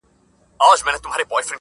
مور تر ټولو زياته ځورېږي تل,